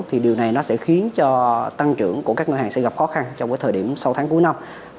thì điều này nó sẽ khiến cho tăng trưởng của các ngân hàng sẽ gặp khó khăn trong cái thời điểm sáu tháng cuối năm